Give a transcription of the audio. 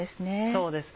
そうですね。